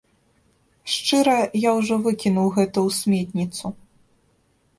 Шчыра, я ужо выкінуў гэта ў сметніцу.